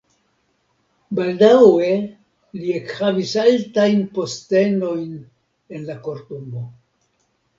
Baldaŭe li ekhavis altajn postenojn en la kortumo.